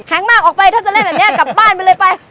มากออกไปถ้าจะเล่นแบบนี้กลับบ้านไปเลยไป